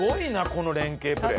この連携プレー。